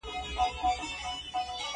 که د ايمان د قوت په هکله شواهد غواړئ.